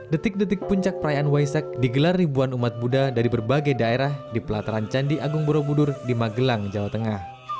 detik detik puncak perayaan waisak digelar ribuan umat buddha dari berbagai daerah di pelataran candi agung borobudur di magelang jawa tengah